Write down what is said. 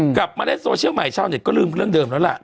กลับมาได้โซเชียลใหม่ช่าวเจ็บเรื่องเดิมแล้วล่ะ